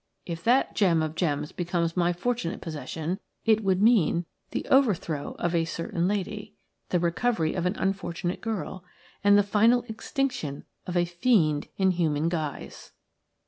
If that gem of gems becomes my fortunate possession it would mean the overthrow of a certain lady, the recovery of an unfortunate girl, and the final extinction of a fiend in human guise."